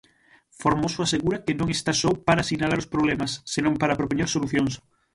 Formoso asegura que non está só para sinalar os problemas, senón para propoñer solucións.